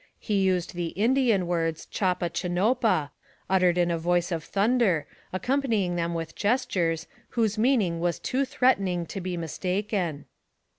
He used the Indian words, " Chopa chanopa," uttered in a voice of thunder, accompanying them with gestures, whose meaning was too threatening to be mistaken.